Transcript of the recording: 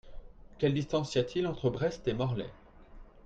Quelle distance y a-t-il entre Brest et Morlaix ?